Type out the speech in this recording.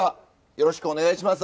よろしくお願いします